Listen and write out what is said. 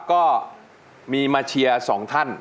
ก็มีมาเชียร์สองท่าน